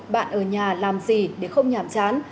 bạn ở nhà làm gì để không nhàm chán